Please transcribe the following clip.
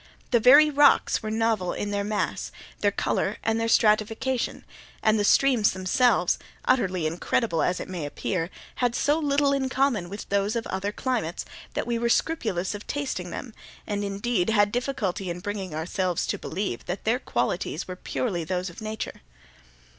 The very rocks were novel in their mass, their color, and their stratification; and the streams themselves, utterly incredible as it may appear, had so little in common with those of other climates, that we were scrupulous of tasting them, and, indeed, had difficulty in bringing ourselves to believe that their qualities were purely those of nature.